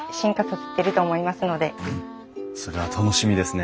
それは楽しみですね。